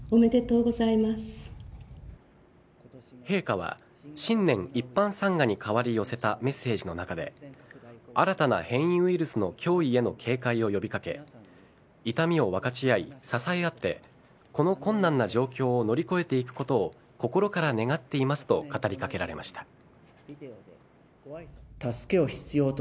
陛下は、新年一般参賀に代わり寄せたメッセージの中で新たな変異ウイルスの脅威への警戒を呼びかけ痛みを分かち合い支え合ってこの困難な状況を乗り越えていくことを心から願っていますと語りかけられました。